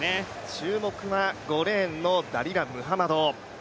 注目は５レーンのダリラ・ムハマド。